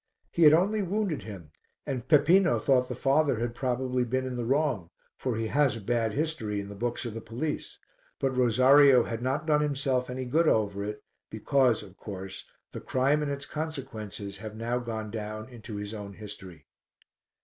He had only wounded him, and Peppino thought the father had probably been in the wrong, for he has a bad history in the books of the police, but Rosario had not done himself any good over it, because, of course, the crime and its consequences have now gone down into his own history.